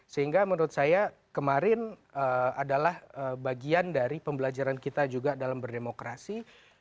sehingga menurut saya kemarin adalah bagian dari pembelajaran kita juga dalam berdemokrasi